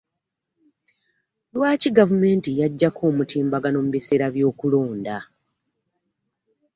Lwaki gavumenti yagyako omutimbagano mu biseera by'okulonda?